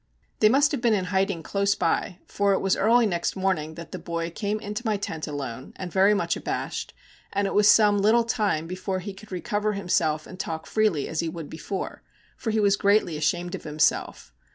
They must have been in hiding close by, for it was early next morning that the boy came into my tent alone and very much abashed, and it was some little time before he could recover himself and talk freely as he would before, for he was greatly ashamed of himself.